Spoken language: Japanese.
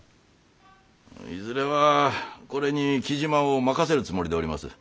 いずれはこれに雉真を任せるつもりでおります。